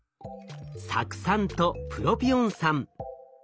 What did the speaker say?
酢酸とプロピオン酸。